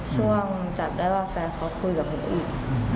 จับได้ว่าแฟนเขาคุยกับหนูอีก